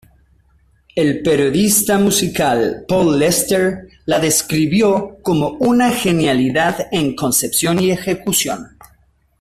El periodista musical Paul Lester la describió como "una genialidad en concepción y ejecución.